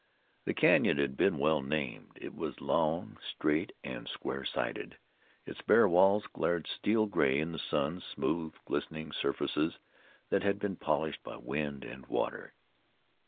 The canyon had been well named. It was long, straight and square sided; its bare walls glared steel gray in the sun, smooth, glistening surfaces that had been polished by wind and water.